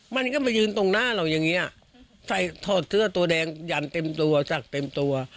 มันก็มายืนตรงหน้าเราอย่างนี้ใส่ถอดเสื้อตัวแดงยันเต็มตัวสักเต็มตัว